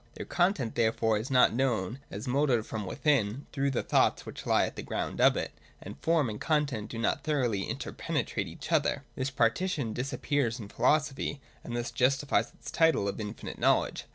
Their content therefore is R 2 244 THE DOCTRINE OF ESSENCE. [i33, i34 not known as moulded from within through the thoughts which he at the ground of it, and form and content do not thoroughly interpenetrate each other. This partition dis appears in philosophy, and thus justifies its title of infinite knowledge.